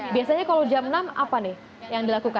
biasanya kalau jam enam apa nih yang dilakukan